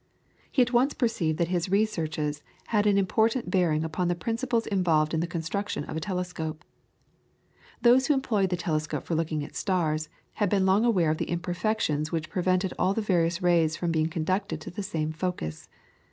He at once perceived that his researches had an important bearing upon the principles involved in the construction of a telescope. Those who employed the telescope for looking at the stars, had been long aware of the imperfections which prevented all the various rays from being conducted to the same focus.